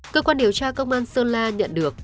cơ quan điều tra công an sơn la nhận được